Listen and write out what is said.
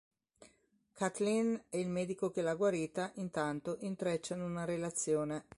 Kathleen e il medico che l'ha guarita, intanto, intrecciano una relazione.